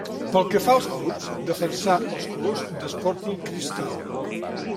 Pel que fa a clubs, defensà els colors de Sporting Cristal.